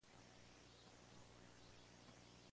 La suerte esta echada.